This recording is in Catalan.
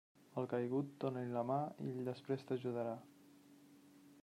Al caigut, dóna-li la mà i ell després t'ajudarà.